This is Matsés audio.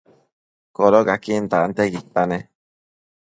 Codocaquin tantiaquidta nec